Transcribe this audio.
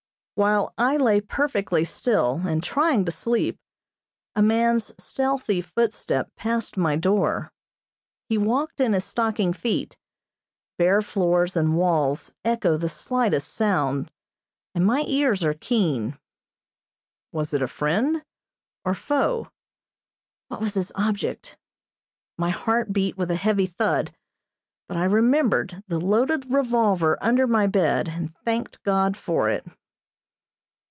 While I lay perfectly still, and trying to sleep, a man's stealthy footstep passed my door. He walked in his stocking feet bare floors and walls echo the slightest sound, and my ears are keen. Was it a friend or foe? What was his object? My heart beat with a heavy thud, but I remembered the loaded revolver under my bed, and thanked God for it.